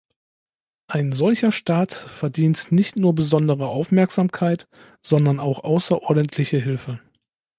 Ein solcher Staat verdient nicht nur besondere Aufmerksamkeit, sondern auch außerordentliche Hilfe.